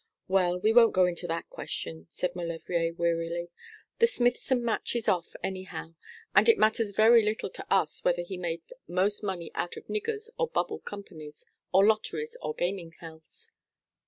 'Well, we won't go into that question,' said Maulevrier wearily. 'The Smithson match is off, anyhow; and it matters very little to us whether he made most money out of niggers or bubble companies, or lotteries or gaming hells.'